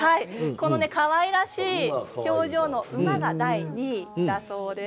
このかわいらしい表情の馬が第２位だそうです。